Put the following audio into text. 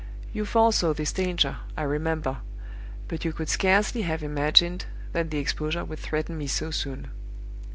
You foresaw this danger, I remember; but you could scarcely have imagined that the exposure would threaten me so soon.